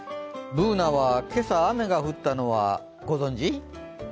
Ｂｏｏｎａは今朝雨が降ったのはご存じ？